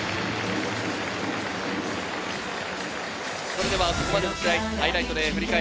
それではここまでのハイライトです。